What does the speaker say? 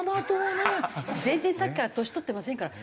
全然さっきから年取ってませんから。